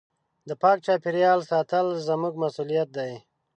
د پاک چاپېریال ساتل زموږ مسؤلیت دی.